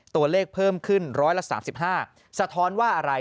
ตัวเลขเพิ่มขึ้น๑๓๕สะท้อนว่าอะไร